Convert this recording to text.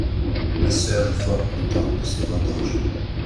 Ma sœur est fort contente de ses vendanges.